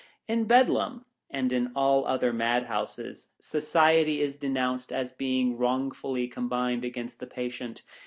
In Bedlam, and in all other madhouses, Society is denounced as being wrongfully com bined against the patient.